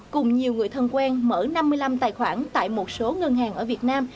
cùng nhiều người thân quen mở năm mươi năm tài khoản tại một số ngân hàng ở việt nam